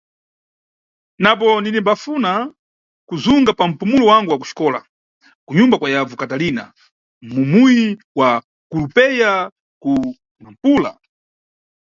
Napo, ndinimbafuna kuzunga pa mpumulo wangu wa ku xikola ku nyumba kwa yavu Katalina, mu muyi wa Currupeia ku Nampula.